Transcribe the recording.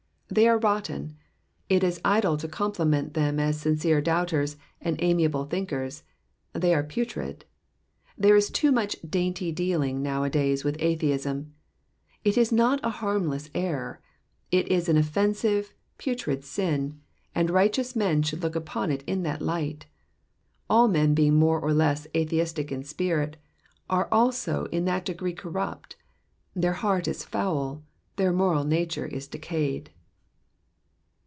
'''* They are rotten. It is idle to compliment them as sincere doubters, and amiable think(:rs — they are putrid. There is too much dainty dealing nowa days with atheism ; it is not a narmless error, it is an offensive, putrid sin, and righteous men should look upon it in that light. All men being more or less atheistic in spirit, are also in that degree corrupt ; their heart is foul, their moral nature is decayed.